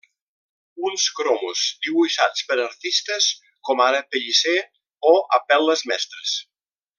Uns cromos dibuixats per artistes com ara Pellicer o Apel·les Mestres.